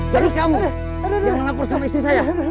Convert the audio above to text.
jadi kamu yang melapor sama istri saya